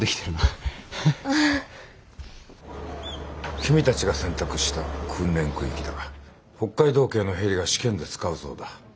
君たちが選択した訓練空域だが北海道警のヘリが試験で使うそうだ。